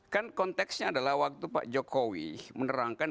kan konteksnya adalah waktu pak jokowi menerangkan